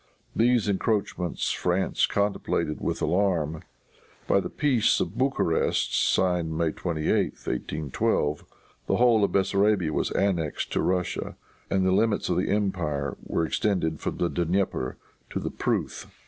These encroachments France contemplated with alarm. By the peace of Bucharest, signed May 28th, 1812, the whole of Bessarabia was annexed to Russia, and the limits of the empire were extended from the Dnieper to the Pruth.